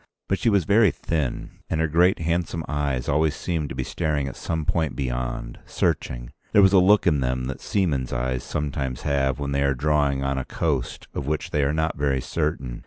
But she was very thin, and her great handsome eyes always seemed to be staring at some point beyond, searching. There was a look in them that seamen's eyes sometimes have when they are drawing on a coast of which they are not very certain.